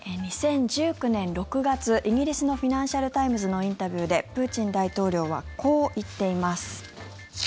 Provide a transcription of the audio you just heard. ２０１９年６月イギリスのフィナンシャル・タイムズのインタビューでプーチン大統領はこう言っています。